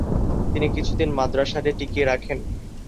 তিনি কিছুদিন মাদ্রাসাটি টিকিয়ে রাখেন।